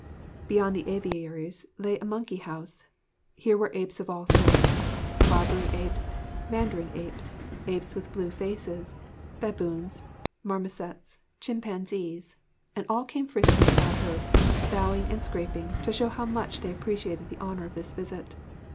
Beyond the aviaries lay a monkey house. Here were apes of all sorts Barbary apes, mandarin apes, apes with blue faces, baboons, marmosets, chimpanzees and all came frisking about her, bowing and scraping, to show how much they appreciated the honour of this visit.